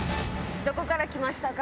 どこから来ましたか？